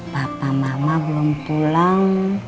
papa mama belum pulang